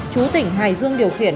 chú tỉnh hải dương điều khiển